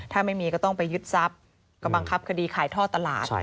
ถ้าไม่มีก็ต้องไปยึดทรัพย์ก็บังคับคดีขายท่อตลาด